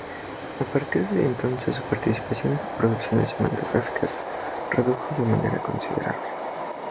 A partir de entonces su participación en producciones cinematográficas redujo de manera considerable.